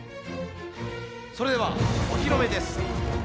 それではお披露目です。